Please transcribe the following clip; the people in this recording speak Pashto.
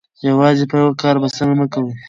یوازې په یوه کار بسنه مه کوئ.